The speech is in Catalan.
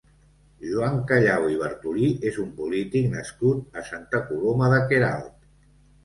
Joan Callau i Bartolí és un polític nascut a Santa Coloma de Queralt.